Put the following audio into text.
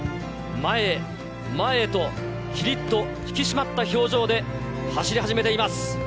前へ、前へと、きりっと引き締まった表情で走り始めています。